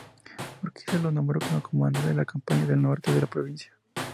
Urquiza lo nombró comandante de la campaña del norte de la provincia.